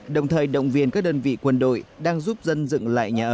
đồng thời động viên các đơn vị quân đội đang giúp dân dựng lại nhà ở